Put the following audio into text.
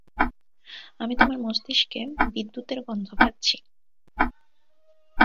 আমি তোমার মস্তিষ্কে বিদ্যুতের গন্ধ পাচ্ছি।